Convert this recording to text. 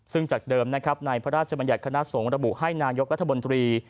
ซึ่งจากเดิมนะครับในพระราชบัญญัติคณะสงฆ์ระบุให้นายกรัฐมนตรี